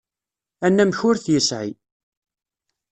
Anamek ur t-yesεi.